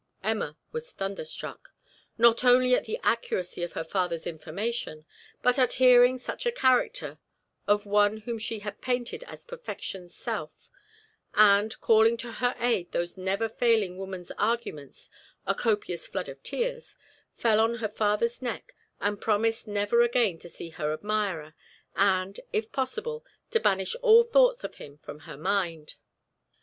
Emma was thunderstruck, not only at the accuracy of her father's information, but at hearing such a character of one whom she had painted as perfection's self; and, calling to her aid those never failing woman's arguments, a copious flood of tears, fell on her father's neck and promised never again to see her admirer and, if possible, to banish all thoughts of him from her mind.